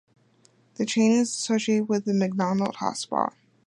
The chain is associated with the Macdonald hotspot.